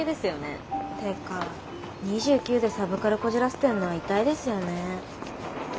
てか２９でサブカルこじらせてんのはイタいですよね。